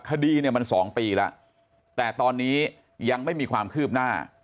คดีเนี่ยมัน๒ปีแล้วแต่ตอนนี้ยังไม่มีความคืบหน้า